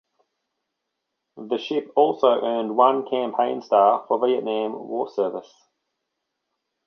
The ship also earned one campaign star for Vietnam War service.